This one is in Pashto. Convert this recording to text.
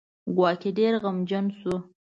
ګواکې ډېر غمګین شو.